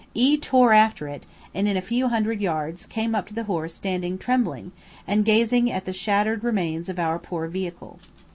E tore after it, and in a few hundred yards came up to the horse standing trembling, and gazing at the shattered remains of our poor vehicle.